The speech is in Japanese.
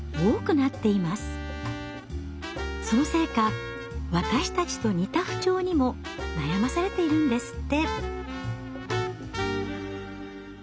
そのせいか私たちと似た不調にも悩まされているんですって。